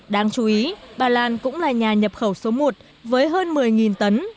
đáng chú ý bà lan cũng là nhà nhập khẩu số một với hơn một mươi tấn